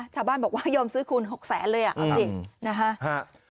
ชาวบ้านบอกว่ายอมซื้อคุณ๖๐๐๐๐๐บาทเลยนะฮะ